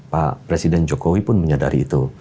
pak presiden jokowi pun menyadari itu